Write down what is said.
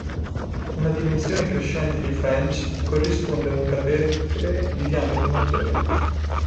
Una dimensione crescente di French corrisponde a un catetere di diametro maggiore.